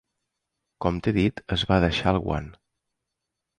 Com t'he dit, es va deixar el guant.